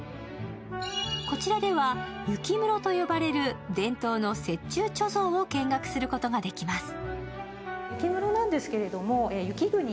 こちらでは雪室と呼ばれる伝統の雪中貯蔵を見学することができます。